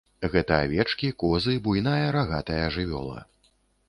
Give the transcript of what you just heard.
Гэта авечкі, козы, буйная рагатая жывёла.